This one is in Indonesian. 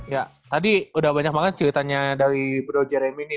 ya tadi udah banyak banget ceritanya dari bro jerem ini